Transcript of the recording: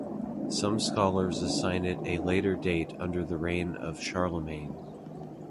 Some scholars assign it a later date under the reign of Charlemagne.